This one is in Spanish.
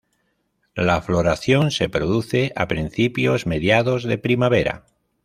La floración se produce a principios-mediados de primavera.